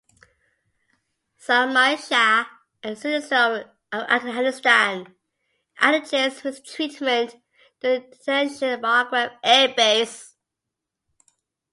Zalmay Shah, a citizen of Afghanistan, alleges mistreatment during detention at Bagram air base.